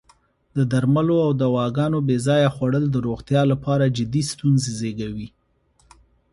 د درملو او دواګانو بې ځایه خوړل د روغتیا لپاره جدی ستونزې زېږوی.